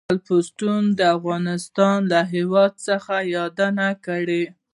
الفونستون د افغانستان له هېواد څخه یادونه کړې.